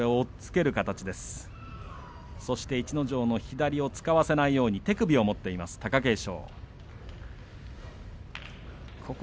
逸ノ城の左を使わせないように手首を持っている貴景勝。